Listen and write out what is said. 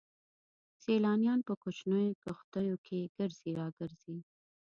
سيلانيان په کوچنيو کښتيو کې ګرځي را ګرځي.